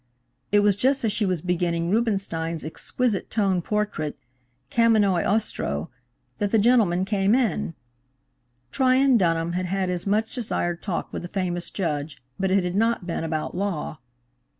It was just as she was beginning Rubinstein's exquisite tone portrait, Kamennoi Ostrow, that the gentlemen came in. Tryon Dunham had had his much desired talk with the famous judge, but it had not been about law.